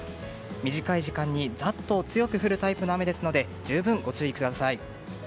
短い時間にざっと強く降るタイプの雨ですので充分、ご注意ください。